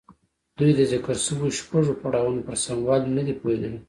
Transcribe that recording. دوی د ذکر شويو شپږو پړاوونو پر سموالي نه دي پوهېدلي.